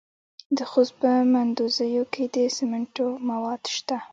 د خوست په مندوزیو کې د سمنټو مواد شته.